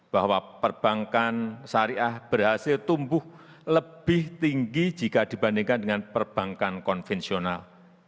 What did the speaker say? bahwa perbankan syariah berhasil tumbuh lebih tinggi jika dibandingkan dengan perbankan konvensional